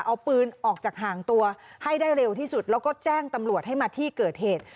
เอาปืนออกจากห่างตัวให้ได้เร็วที่สุดแล้วก็แจ้งตำรวจให้มาที่เกิดเหตุ